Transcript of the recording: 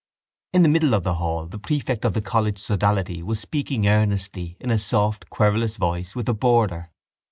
In the middle of the hall the prefect of the college sodality was speaking earnestly, in a soft querulous voice, with a boarder.